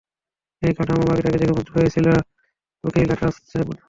যে কাঠমুখো মাগীটাকে দেখে মুগ্ধ হয়েছিলে, ওকেই লাগাচ্ছ মনে হয়।